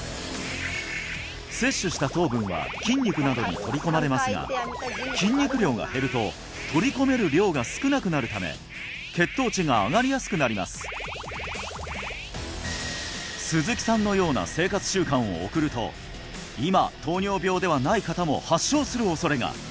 摂取した糖分は筋肉などに取り込まれますが筋肉量が減ると取り込める量が少なくなるため血糖値が上がりやすくなります鈴木さんのような生活習慣を送ると今糖尿病ではない方も発症する恐れが！